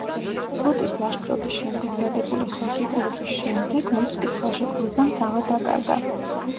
პრუტის ლაშქრობის შემდეგ დადებული ხელშეკრულების შემდეგ ლუცკის ხელშეკრულებამ ძალა დაკარგა.